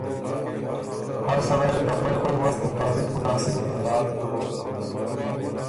هر سړئ يې ته خوئ خوئ وست مطابق مناسب امداد دوک۔